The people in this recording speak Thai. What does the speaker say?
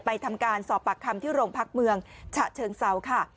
ทำการสอบปากคำที่โรงพักเมืองฉะเชิงเซาค่ะ